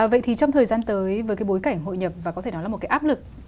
vậy thì trong thời gian tới với cái bối cảnh hội nhập và có thể nói là một cái áp lực